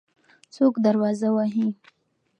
څوک دروازه وهي؟